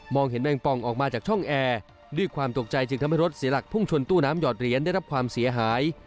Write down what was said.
เห็นแมงปองออกมาจากช่องแอร์ด้วยความตกใจจึงทำให้รถเสียหลักพุ่งชนตู้น้ำหอดเหรียญได้รับความเสียหาย